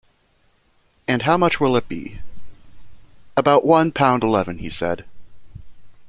“And how much will it be?” “About one pound eleven,” he said.